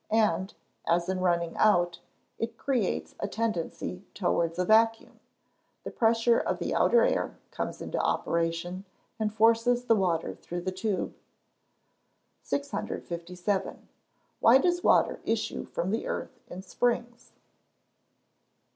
And, as in running out, it creates a tendency towards a vacuum, the pressure of the outer air comes into operation, and forces the water through the tube. 657. _Why does water issue from the earth in springs?